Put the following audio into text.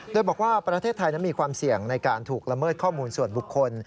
โดยบอกว่าประเทศไทยนั้นมีความเสี่ยงในการถูกละเมิดข้อมูลส่วนบุคคล